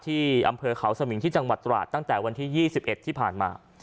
ที่อำเภอเขาสมิงที่จังหวัดตราดตั้งแต่วันที่๒๑ที่ผ่านมา